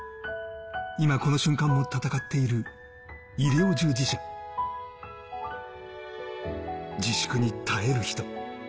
今この瞬間も闘っている医療従事者、自粛に耐える人。